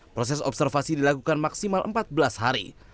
proses observasi dilakukan maksimal empat belas hari